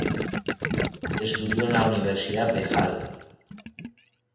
Estudió en la Universidad de Halle.